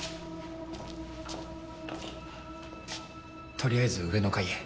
取りあえず上の階へ。